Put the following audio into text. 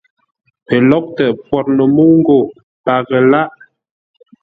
Pəlóghʼtə pwor no mə́u ńgó paghʼə lághʼ.